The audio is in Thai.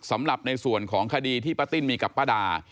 สำหรับในส่วนของคดีที่ป้าติ้นมีกับป้าดา